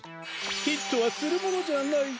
ヒットはするものじゃない。